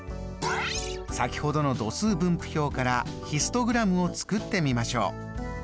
先ほどの度数分布表からヒストグラムを作ってみましょう。